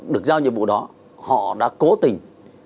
được giao nhiệm vụ đó họ đã cố tình